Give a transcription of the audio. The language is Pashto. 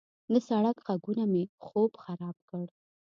د سړک غږونه مې خوب خراب کړ.